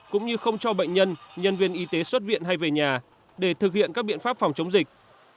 cũng như không cho bệnh nhân nhân viên y tế xuất viện hay về nhà để thực hiện các biện pháp phòng chống dịch